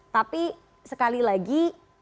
tapi sekali lagi